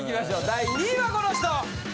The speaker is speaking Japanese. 第２位はこの人！